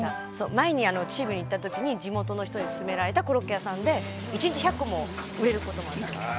前に秩父に行った時に地元の人に勧められたコロッケ屋さんで一日１００個も売れる事もあるそう」